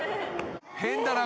変だな